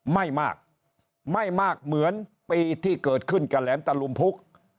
ไม่มากไม่มากเหมือนปีที่เกิดขึ้นกับแหลมตะลุมพุก